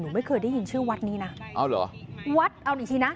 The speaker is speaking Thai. ไม่เคยได้ยินชื่อวัดนี้นะเอาเหรอวัดเอาอีกทีนะ